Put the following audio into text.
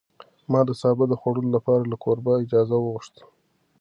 ما د سابو د خوړلو لپاره له کوربه اجازه وغوښته.